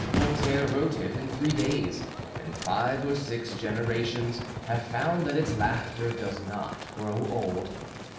Voltaire wrote it in three days, and five or six generations have found that its laughter does not grow old.